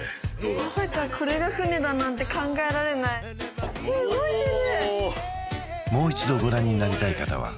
まさかこれが船だなんて考えられないえっ動いてる！